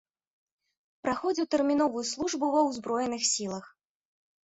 Праходзіў тэрміновую службу ва ўзброеных сілах.